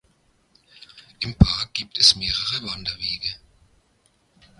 Im Park gibt es mehrere Wanderwege.